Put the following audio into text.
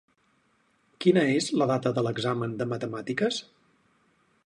Quina és la data de l'examen de matemàtiques?